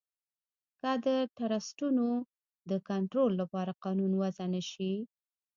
که د ټرسټونو د کنترول لپاره قانون وضعه نه شي.